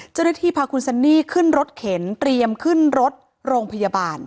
เจ้าหน้าที่พาคุณซันนี่ขึ้นรถเข็นเตรียมขึ้นรถโรงพยาบาล